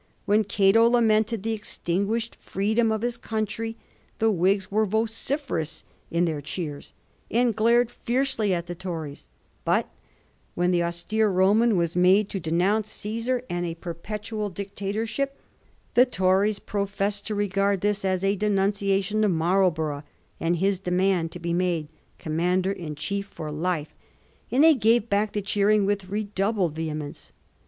When Cato lamented the extinguished fireedom of his country the Whigs were vociferous in their cheers and glared fiercely at the Tories ; but when the austere Roman was made to denounce Csesar and a perpetual dictatorship the Tories professed to regard this as a denunciation of Marlborough and his de mand to be made commander in chief for life, and they gave back the cheering with redoubled vehe mence.